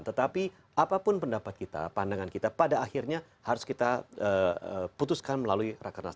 tetapi apapun pendapat kita pandangan kita pada akhirnya harus kita putuskan melalui rakernas